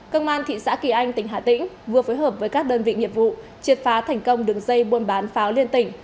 công an thị xã kỳ anh tỉnh hà tĩnh vừa phối hợp với các đơn vị nghiệp vụ triệt phá thành công đường dây buôn bán pháo liên tỉnh